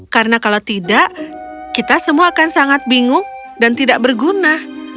karena kalau tidak kita semua akan sangat bingung dan tidak berguna